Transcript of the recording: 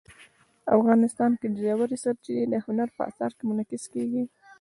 افغانستان کې ژورې سرچینې د هنر په اثار کې منعکس کېږي.